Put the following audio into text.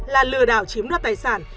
là lừa đảo chiếm đoạt tài sản